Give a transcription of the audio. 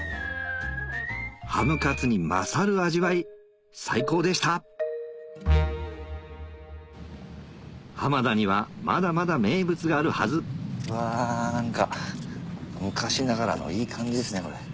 ハムカツに勝る味わい最高でした浜田にはまだまだ名物があるはずうわ何か昔ながらのいい感じですね。